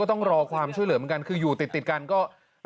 ก็ต้องรอความช่วยเหลือด้วยกันคือเป็นระดับของบ้านคือไม่ต่างกัน